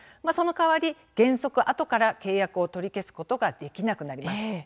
その代わり、原則あとから契約を取り消すことができなくなります。